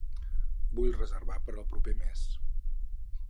Vull reservar per al proper mes.